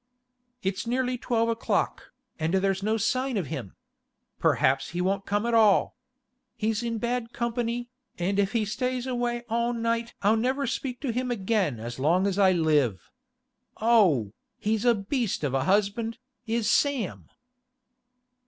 'It's nearly twelve o'clock, and there's no sign of him, Perhaps he won't come at all. He's in bad company, and if he stays away all night I'll never speak to him again as long as I live. Oh, he's a beast of a husband, is Sam!